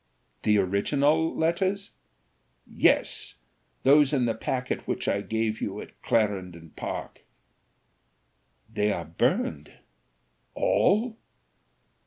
"The original letters?" "Yes, those in the packet which I gave to you at Clarendon Park." "They are burned." "All?